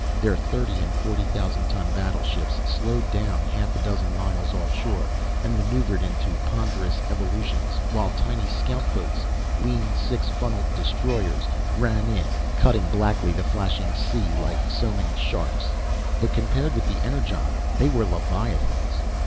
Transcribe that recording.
Their thirty and forty thousand ton battleships slowed down half a dozen miles offshore and manoeuvred in ponderous evolutions, while tiny scout boats (lean, six funnelled destroyers) ran in, cutting blackly the flashing sea like so many sharks. But, compared with the Energon, they were leviathans.